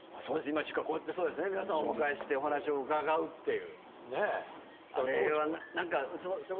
今、こうやって皆さんお迎えしてお話を伺うっていう。